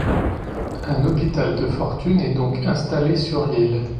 Un hôpital de fortune est donc installé sur l'île.